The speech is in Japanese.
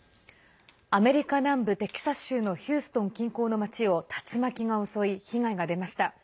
アメリカ南部テキサス州のヒューストン近郊の町を竜巻が襲い、被害が出ました。